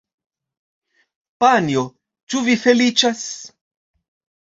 Panjo, ĉu vi feliĉas?